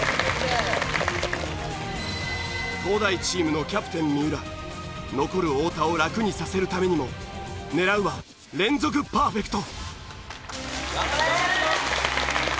東大チームのキャプテン三浦残る太田を楽にさせるためにも狙うは連続パーフェクト！